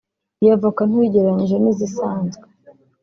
Iyo avoka nto ugereranije n’izisanzwe